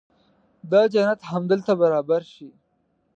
دا جنت همدلته برابر شي.